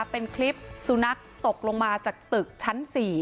เป็นคลิปสุนัขตกลงมาจากตึกชั้น๔